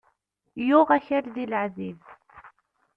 Yuɣ akal di laεzib